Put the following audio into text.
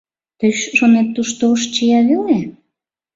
Тый, шонет, тушто ош чия веле?